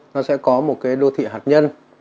nó sẽ có một cái đô thị hạt nhân